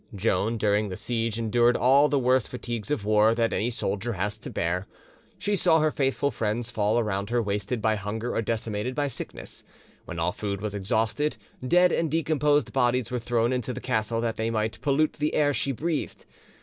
Joan during the siege endured all the worst fatigues of war that any soldier has to bear. She saw her faithful friends fall around her wasted by hunger or decimated by sickness. When all food was exhausted, dead and decomposed bodies were thrown into the castle that they might pollute the air she breathed.